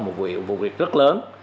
một vụ việc rất lớn